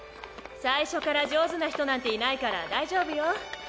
最初から上手な人なんていないから大丈夫よ。